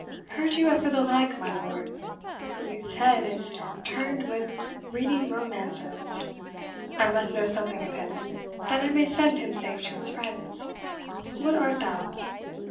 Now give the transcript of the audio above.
"Heard you ever the like, my lords? The youth's head is turned with reading romances. I must know something of him, that I may send him safe to his friends. What art thou?"